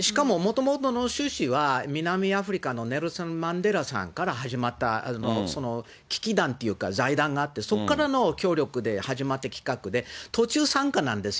しかももともとの趣旨は南アフリカのネルソン・マンデラさんから始まったもの、というか、財団があって、そこからの協力があった企画で途中参加なんですよ。